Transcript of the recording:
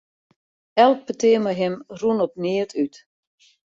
Elk petear mei him rûn op neat út.